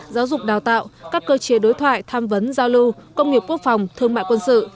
giáo dục đào tạo các cơ chế đối thoại tham vấn giao lưu công nghiệp quốc phòng thương mại quân sự